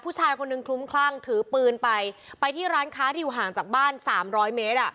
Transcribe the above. ผู้ชายคนหนึ่งคลุ้มคลั่งถือปืนไปไปที่ร้านค้าที่อยู่ห่างจากบ้านสามร้อยเมตรอ่ะ